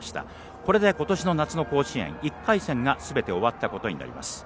これで、ことしの夏の甲子園１回戦がすべて終わったことになります。